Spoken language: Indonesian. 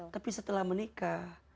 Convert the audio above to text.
tapi setelah menikah